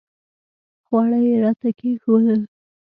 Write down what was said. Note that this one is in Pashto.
خواړه یې راته کښېښودل.